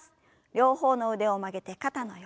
両方の腕を曲げて肩の横。